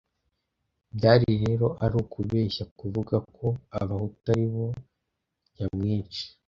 byari rero ari ukubeshya kuvuga ko abahutu ari bo nyamwinshi